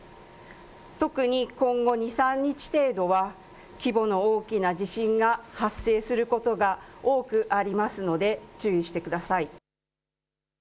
特に今後２、３日程度は規模の大きな地震が発生することが多くありますので、注意してください。